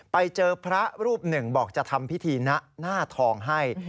ไปเจอพระรูปหนึ่งบอกจะทำพิธีนะหน้าทองให้